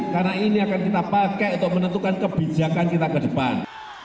karena ini akan kita pakai untuk menentukan kebijakan kita ke depan